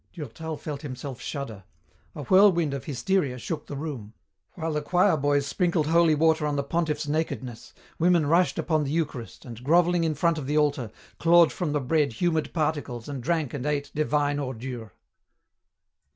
Durtal felt himself shudder. A whirlwind of hysteria shook the room. While the choir boys sprinkled holy water on the pontiff's nakedness, women rushed upon the Eucharist and, grovelling in front of the altar, clawed from the bread humid particles and drank and ate divine ordure.